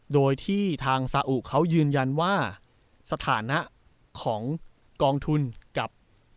โดยที่ทางสาอุเขายืนยันว่าสถานะของกองทุนกับ